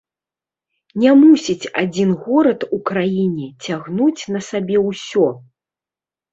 Не мусіць адзін горад у краіне цягнуць на сабе ўсё!